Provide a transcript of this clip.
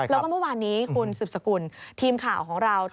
แล้วก็เมื่อวานนี้คุณสืบสกุลทีมข่าวของเรา